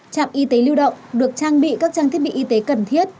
trạm y tế lưu động được trang bị các trang thiết bị y tế cần thiết